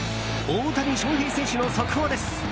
大谷翔平選手の速報です。